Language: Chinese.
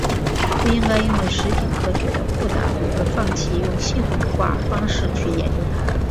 不应该因为食品科学的复杂度而放弃用系统化方式去研究它。